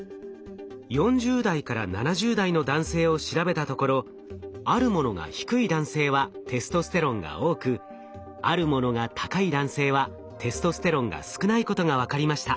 ４０代から７０代の男性を調べたところあるものが低い男性はテストステロンが多くあるものが高い男性はテストステロンが少ないことが分かりました。